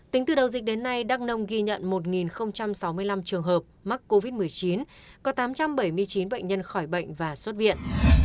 tính từ đầu dịch đến nay đắk nông ghi nhận một sáu mươi năm trường hợp mắc covid một mươi chín có tám trăm bảy mươi chín bệnh nhân khỏi bệnh và xuất viện